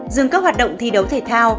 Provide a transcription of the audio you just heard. dừng các hoạt động thi đấu thể thao